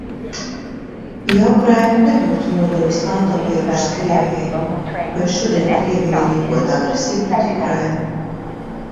Ja Ukraina nebūtu nodevusi atomieročus Krievijai, vai šodien Krievija rīkotu agresiju pret Ukrainu?